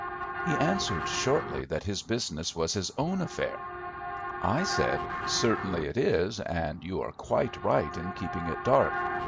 He answered shortly that his business was his own affair. I said, 'Certainly it is, and you are quite right in keeping it dark.